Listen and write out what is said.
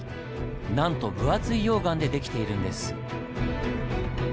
なんと分厚い溶岩で出来ているんです。